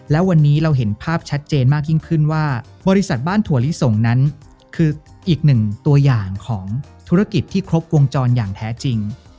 และวันนี้เราเห็นภาพชัดเจนมากยิ่งขึ้นว่าบริษัทบ้านถั่วลิสงนั้นคืออีกหนึ่งตัวอย่างของธุรกิจที่ครบวงจรอย่างแท้จริง